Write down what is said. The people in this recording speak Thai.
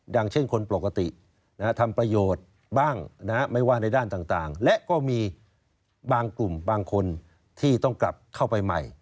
อย่างเช่นคนปกติทำประโยชน์บ้างไม่ว่าในด้านต่างและก็มีบางกลุ่มบางคนที่ต้องกลับเข้าไปใหม่